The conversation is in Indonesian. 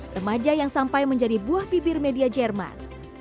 remaja yang sampai menjadi buah bibir media jerman